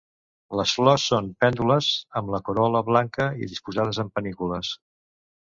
Les flors són pèndules, amb la corol·la blanca i disposades en panícules.